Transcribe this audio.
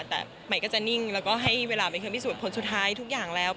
แต่ใหม่ก็จะนิ่งแล้วก็ให้เวลาเป็นเครื่องพิสูจน์ผลสุดท้ายทุกอย่างแล้ว